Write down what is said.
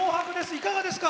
いかがですか？